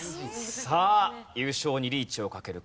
さあ優勝にリーチをかけるか？